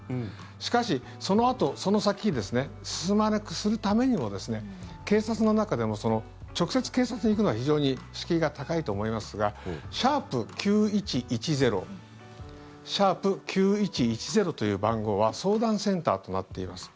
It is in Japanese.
しかし、そのあとその先に進まなくするためにも警察の中でも直接、警察に行くのは非常に敷居が高いと思いますが「＃９１１０」という番号は相談センターとなっています。